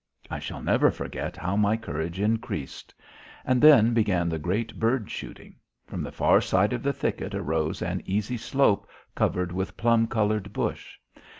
I shall never forget how my courage increased. And then began the great bird shooting. From the far side of the thicket arose an easy slope covered with plum coloured bush.